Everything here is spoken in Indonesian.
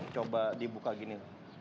coba dibuka gini